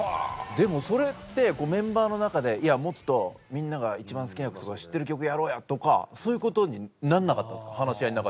でもそれってメンバーの中で「もっとみんなが一番好きな曲知ってる曲やろうや」とかそういう事にならなかったですか話し合いの中で。